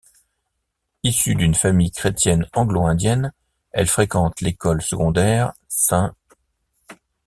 Issue d'une famille chrétienne anglo-indienne, elle fréquente l'école secondaire St.